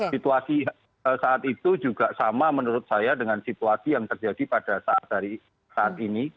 situasi saat itu juga sama menurut saya dengan situasi yang terjadi pada saat ini